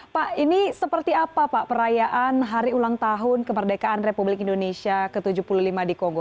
pak ini seperti apa pak perayaan hari ulang tahun kemerdekaan republik indonesia ke tujuh puluh lima di kongo